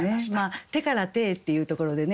「手から手へ」っていうところでね